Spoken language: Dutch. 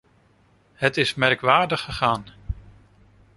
Het is merkwaardig gegaan.